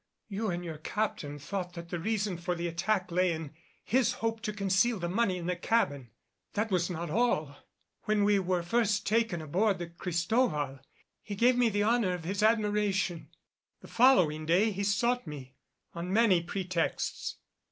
"You and your captain thought that the reason for the attack lay in his hope to conceal the money in the cabin. That was not all. When we were first taken aboard the Cristobal he gave me the honor of his admiration. The following day he sought me on many pretexts.